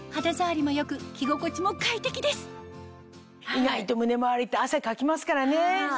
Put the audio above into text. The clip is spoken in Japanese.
意外と胸回りって汗かきますからね。